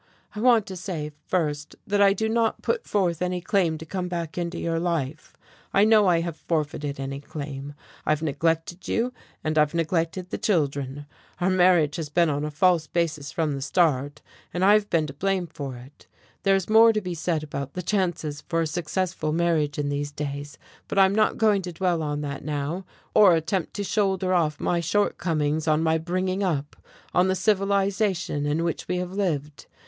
I want to say, first, that I do not put forth any claim to come back into your life. I know I have forfeited any claim. I've neglected you, and I've neglected the children. Our marriage has been on a false basis from the start, and I've been to blame for it. There is more to be said about the chances for a successful marriage in these days, but I'm not going to dwell on that now, or attempt to shoulder off my shortcomings on my bringing up, on the civilization in which we have lived.